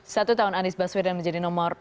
satu tahun anies baswedan menjadi nomor